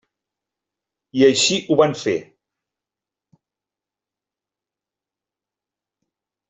I així ho van fer.